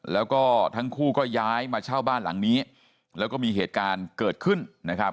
แล้วก็ทั้งคู่ก็ย้ายมาเช่าบ้านหลังนี้แล้วก็มีเหตุการณ์เกิดขึ้นนะครับ